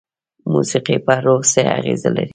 موسیقي په روح څه اغیزه لري؟